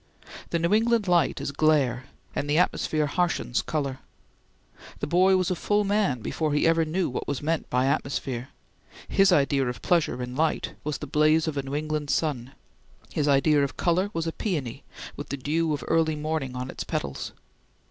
The New England light is glare, and the atmosphere harshens color. The boy was a full man before he ever knew what was meant by atmosphere; his idea of pleasure in light was the blaze of a New England sun. His idea of color was a peony, with the dew of early morning on its petals.